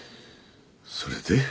それで？